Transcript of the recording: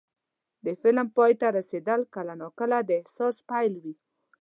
د فلم پای ته رسېدل کله ناکله د احساس پیل وي.